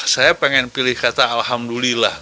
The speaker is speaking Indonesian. saya pengen pilih kata alhamdulillah